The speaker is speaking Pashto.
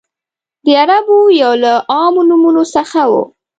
د عربو یو له عامو نومونو څخه و.